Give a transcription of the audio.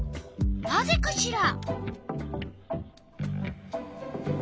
なぜかしら？